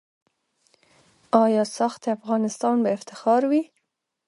آیا "ساخت افغانستان" به افتخار وي؟